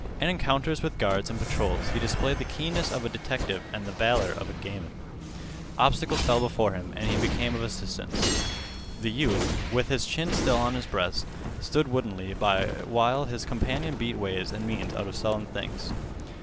In encounters with guards and patrols he displayed the keenness of a detective and the valor of a gamin. Obstacles fell before him and became of assistance. The youth, with his chin still on his breast, stood woodenly by while his companion beat ways and means out of sullen things.